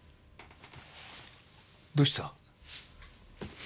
どうした？